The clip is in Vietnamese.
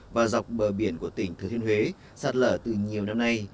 và dọc bờ biển của tỉnh thừa thiên huế sạt lở từ nhiều năm nay